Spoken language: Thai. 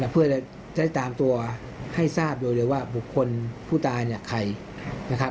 เพื่อได้ตามตัวให้ทราบโดยเรียกว่าบุคคลผู้ตายแต่ใคร